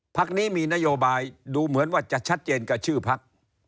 พักนี้มีนโยบายดูเหมือนว่าจะชัดเจนกับชื่อพัก